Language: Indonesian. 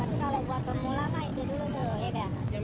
ini janggut hitam